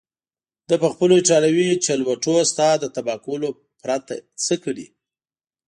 ده پخپلو ایټالوي چلوټو ستا د تباه کولو پرته څه کړي.